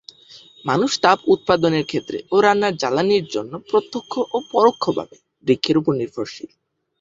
মানুষ তাপ উৎপাদনের ক্ষেত্রে ও রান্নার জ্বালানির জন্য প্রত্যক্ষ ও পরোক্ষভাবে বৃক্ষের উপর নির্ভরশীল।